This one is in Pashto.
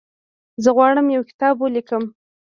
زه غواړم یو کتاب ولیکم.